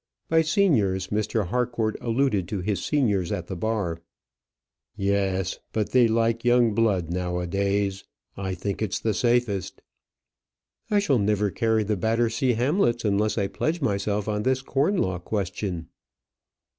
By seniors, Mr. Harcourt alluded to his seniors at the bar. "Yes; but they like young blood nowadays. I think it's the safest." "I shall never carry the Battersea Hamlets unless I pledge myself on this corn law question."